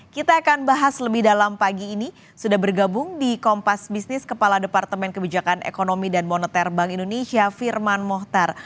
kita akan bahas lebih dalam pagi ini sudah bergabung di kompas bisnis kepala departemen kebijakan ekonomi dan moneter bank indonesia firman mohtar